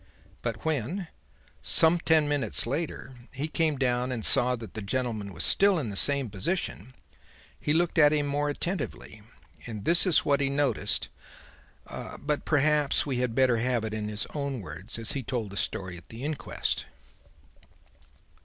But when, some ten minutes later, he came down and saw that the gentleman was still in the same position, he looked at him more attentively; and this is what he noticed but perhaps we had better have it in his own words as he told the story at the inquest.